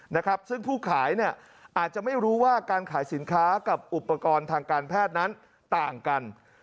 นะครับซึ่งผู้ขายเนี่ยอาจจะไม่รู้ว่าการขายสินค้ากับอุปกรณ์ทางการแพทย์นั้นต่างกัน